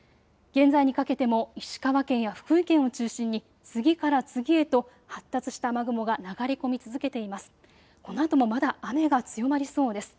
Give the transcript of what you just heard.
現在にかけても石川県や福井県を中心に次から次へと発達した雨雲が流れ込み続けています。